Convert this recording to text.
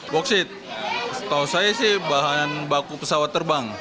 bauksit setahu saya sih bahan baku pesawat terbang